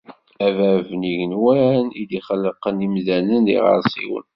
D Bab n yigenwan i d-ixelqen imdanen d iɣersiwen